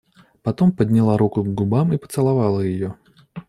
Потом подняла руку к губам и поцеловала ее.